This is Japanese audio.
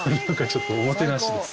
ちょっとおもてなしです。